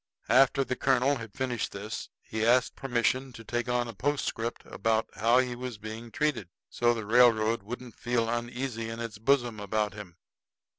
After the colonel had finished this, he asked permission to take on a postscript about how he was being treated, so the railroad wouldn't feel uneasy in its bosom about him.